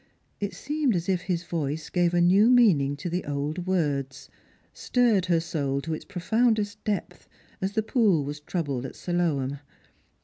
It seemed as if his voice gave a new meaning to the old words ; stirred her soul to its profoundest depth, as the pool was troubled at Siloam.